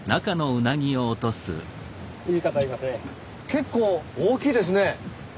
結構大きいですね。